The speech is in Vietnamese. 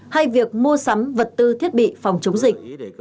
hay việc mua sắm vật tư thiết bị phòng chống dịch